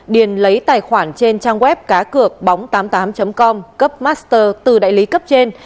điền lấy tài khoản trên trang web cácượcbóng tám mươi tám com cấp master từ đại lý cấp trên